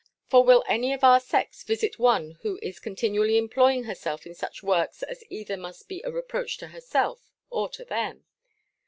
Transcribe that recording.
For will any of our sex visit one who is continually employing herself in such works as either must be a reproach to herself, or to them?